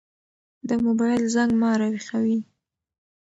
د موبايل زنګ ما راويښوي.